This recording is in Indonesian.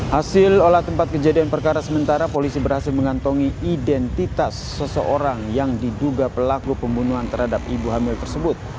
hasil olah tempat kejadian perkara sementara polisi berhasil mengantongi identitas seseorang yang diduga pelaku pembunuhan terhadap ibu hamil tersebut